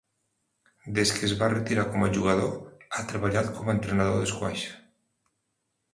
Des que es va retirar com a jugador, ha treballat com a entrenador d'esquaix.